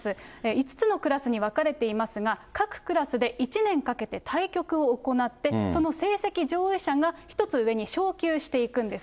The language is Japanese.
５つのクラスに分かれていますが、各クラスで１年かけて対局を行って、その成績上位者が１つ上に昇級していくんです。